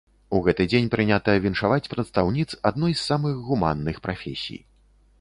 У гэты дзень прынята віншаваць прадстаўніц адной з самых гуманных прафесій.